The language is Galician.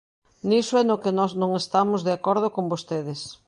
Niso é no que nós non estamos de acordo con vostedes.